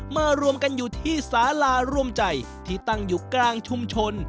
มารวมกันอยู่ที่สาลาร่วมใจที่ตั้งอยู่กลางชุมชน